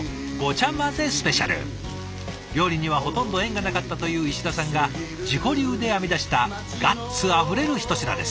料理にはほとんど縁がなかったという石田さんが自己流で編み出したガッツあふれる一品です。